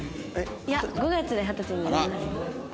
いや５月で二十歳になりました。